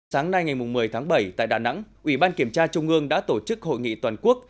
sáng nay ngày một mươi tháng bảy tại đà nẵng ủy ban kiểm tra trung ương đã tổ chức hội nghị toàn quốc